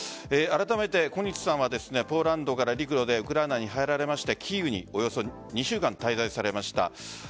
あらためて小西さんはポーランドから陸路でウクライナに入られましてキーウにおよそ２週間滞在されました。